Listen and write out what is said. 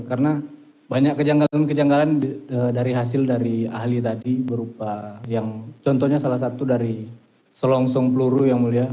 karena banyak kejanggalan kejanggalan dari hasil dari ahli tadi berupa yang contohnya salah satu dari selongsong peluru yang mulia